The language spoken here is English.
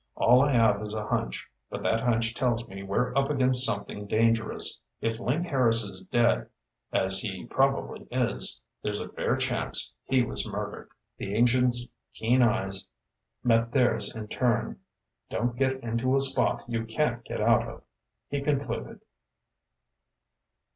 All I have is a hunch, but that hunch tells me we're up against something dangerous. If Link Harris is dead, as he probably is, there's a fair chance he was murdered." The agent's keen eyes met theirs in turn. "Don't get into a spot you can't get out of," he concluded.